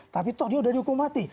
tapi toh dia sudah dihukum mati